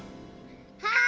はい！